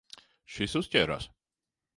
Šis uzķērās.